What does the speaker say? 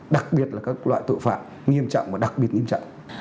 đặc biệt là các loại tội phạm nghiêm trọng và đặc biệt nghiêm trọng